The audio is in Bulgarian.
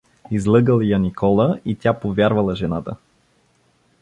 Излъгал я Никола и тя повярвала жената!